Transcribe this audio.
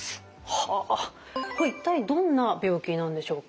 はあこれ一体どんな病気なんでしょうか？